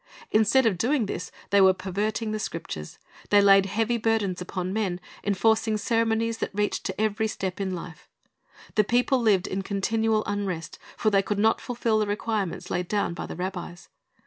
Instead of doing this they were perverting the Scriptures. They laid heavy burdens upon men, enforcing ceremonies that reached to every step in life. The people lived in continual unrest; for they could not fulfil the requirements laid down by the rabbis.